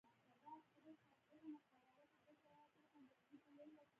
دا عنصرونه په خپل وروستي قشر کې یو الکترون لري.